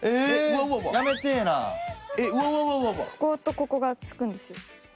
こことここが付くんですよ。